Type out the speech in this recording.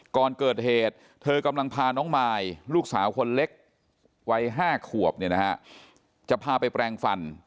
ก่อนเกิดเหตุเธอกำลังพาน้องมายลูกสาวคนเล็กวัย๕ขวบเนี่ยนะฮะจะพาไปแปลงฟัน